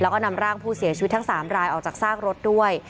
แล้วก็นำร่างผู้เสียชีวิตทั้ง๓รายออกจากซากรถด้วย